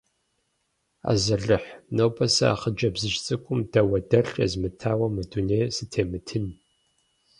Азалыхь, нобэ сэ а хъыджэбзыжь цӀыкӀум дауэдэлъ езмытауэ мы дунейм сытемытын.